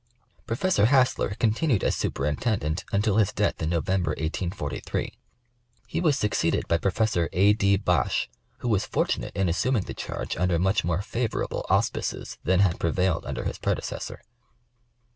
Professor Hassler continiied as Superintendent until his death in November, 1 843. He was succeeded by Professor A. D. Bache, who was fortunate in assuming the charge under much more favorable auspices than had prevailed under his predecessor.